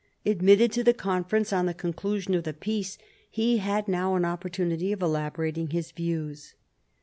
Admitted to the Conference on the conclusion of the peace, he had now an opportunity of elaborating his views.